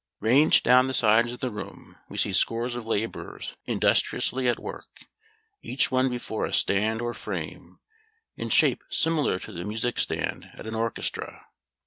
Ranged down the sides of the room we see scores of laborers industriously at work, each one before a stand or frame, in shape similar to the music stand at an orchestra.